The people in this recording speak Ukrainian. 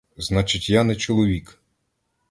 Значить, я не чоловік!